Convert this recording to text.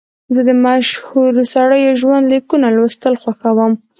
زه د مشهورو سړیو ژوند لیکونه لوستل خوښوم.